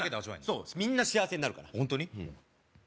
そうみんな幸せになるからホントに？